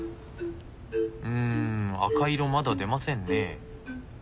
うん赤い色まだ出ませんね。